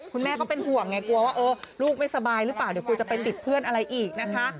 ก็เป็นห่วงไงกลัวว่าเออลูกไม่สบายหรือเปล่าเดี๋ยวกลัวจะไปติดเพื่อนอะไรอีกนะคะ